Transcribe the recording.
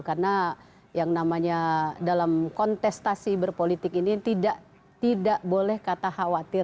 karena yang namanya dalam kontestasi berpolitik ini tidak boleh kata khawatir